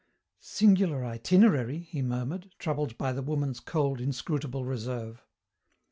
"Singular itinerary," he murmured, troubled by the woman's cold, inscrutable reserve.